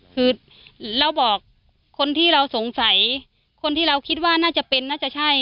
คือเราบอกคนที่เราสงสัยคนที่เราคิดว่าน่าจะเป็นน่าจะใช่